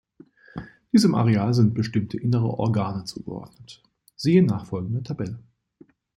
Diesem Areal sind bestimmte innere Organe zugeordnet, siehe nachfolgende Tabelle.